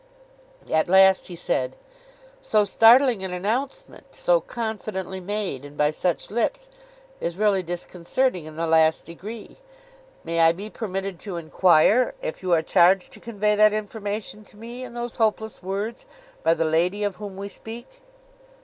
At last he said: 'So startling an announcement, so confidently made, and by such lips, is really disconcerting in the last degree. May I be permitted to inquire, if you are charged to convey that information to me in those hopeless words, by the lady of whom we speak?